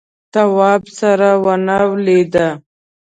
تواب سره ونه ولیده.